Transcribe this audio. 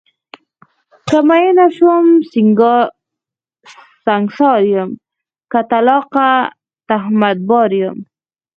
که میینه شوم سنګسار یم، که طلاقه تهمت بار یم